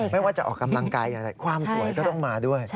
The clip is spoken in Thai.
ไม่ว่าจะออกกำลังกายอย่างไรความสวยก็ต้องมาด้วย